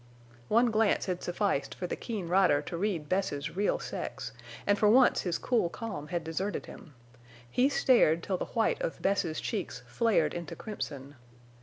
One glance had sufficed for the keen rider to read Bess's real sex, and for once his cool calm had deserted him. He stared till the white of Bess's cheeks flared into crimson.